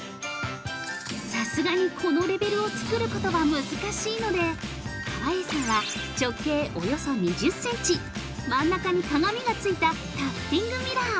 ◆さすがに、このレベルを作ることは難しいので川栄さんは直径およそ２０センチ真ん中に鏡がついたタフティングミラー。